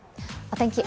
お天気